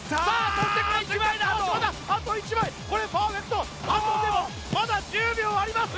そしてこの１枚さあこれパーフェクトあとでもまだ１０秒あります